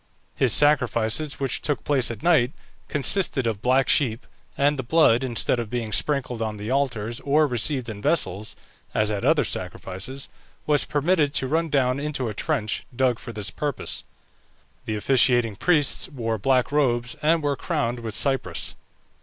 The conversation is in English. His sacrifices, which took place at night, consisted of black sheep, and the blood, instead of being sprinkled on the altars or received in vessels, as at other sacrifices, was permitted to run down into a trench, dug for this purpose. The officiating priests wore black robes, and were crowned with cypress.